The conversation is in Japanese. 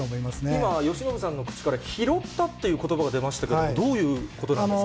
今、由伸さんの口から、拾ったっていうことばが出ましたけど、どういうことなんですか。